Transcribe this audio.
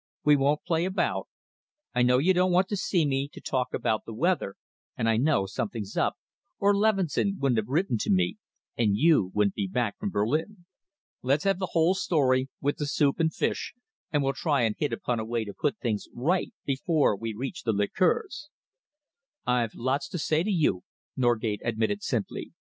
We won't play about. I know you don't want to see me to talk about the weather, and I know something's up, or Leveson wouldn't have written to me, and you wouldn't be back from Berlin. Let's have the whole story with the soup and fish, and we'll try and hit upon a way to put things right before we reach the liqueurs." "I've lots to say to you," Norgate admitted simply.